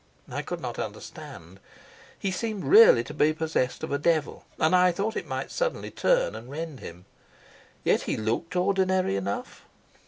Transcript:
I could not understand. He seemed really to be possessed of a devil, and I felt that it might suddenly turn and rend him. Yet he looked ordinary enough.